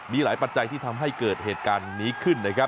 มีหลายปัจจัยที่ทำให้เกิดเหตุการณ์นี้ขึ้นนะครับ